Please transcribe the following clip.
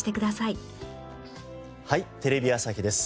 『はい！テレビ朝日です』